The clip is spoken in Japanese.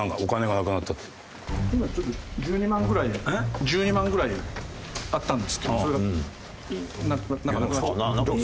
今ちょっと１２万ぐらい１２万ぐらいあったんですけどそれがなくなっちゃって。